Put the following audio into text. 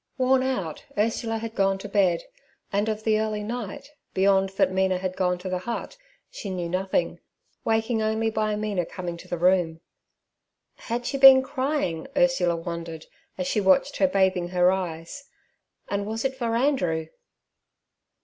Worn out, Ursula had gone to bed, and of the early night, beyond that Mina had gone to the hut, she knew nothing, waking only by Mina coming to the room. Had she been crying? Ursula wondered, as she watched her bathing her eyes; and was it for Andrew?